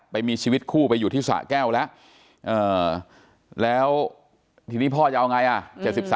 ไปมีชีวิตคู่ไปอยู่ที่สะแก้วแล้วแล้วทีนี้พ่อจะเอาไงอ่ะ